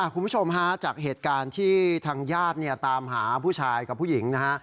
คุณผู้ชมฮะจากเหตุการณ์ที่ทางญาติตามหาผู้ชายกับผู้หญิงนะฮะ